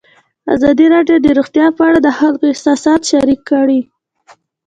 ازادي راډیو د روغتیا په اړه د خلکو احساسات شریک کړي.